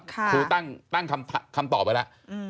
ครูตั้งคำตอบไปแล้ว